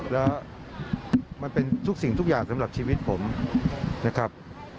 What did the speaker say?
แล้วมันเป็นทุกสิ่งทุกอย่างสำหรับชีวิตผมนะครับ